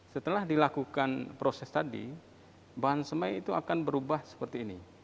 setelah dilakukan proses tadi bahan semai itu akan berubah seperti ini